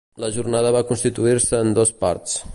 La jornada va constituir-se en dos parts.